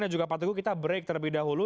dan juga pak tugu kita break terlebih dahulu